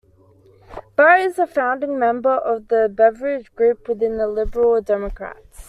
Barrett is a founding member of the Beveridge Group within the Liberal Democrats.